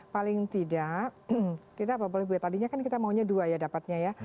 paling tidak kita apa boleh buat tadinya kan kita maunya dua ya dapatnya ya